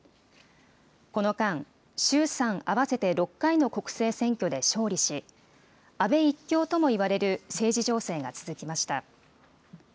この間、衆参合わせて６回の国政選挙で勝利し、安倍一強ともいわれる政治情勢が続きました。